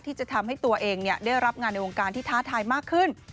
ที่จะทำให้ตัวเองได้รับงานในวงการที่ท้าทายมากขึ้น